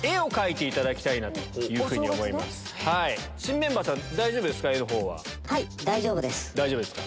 新メンバーさん大丈夫ですか？